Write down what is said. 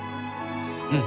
うん。